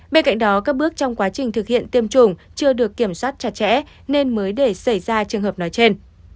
bên cạnh đó các bước trong quá trình thực hiện tiêm chủng chưa được kiểm soát chặt chẽ nên mới để xảy ra trường hợp nói trên